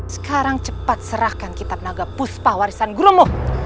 sekarang cepat serahkan kitab naga puspa warisan guromo